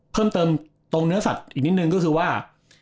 เพิ่มเติมตรงเนื้อสัตว์อีกนิดนึงก็คือว่า